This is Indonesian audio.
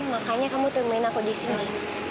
makanya kamu termain aku di sini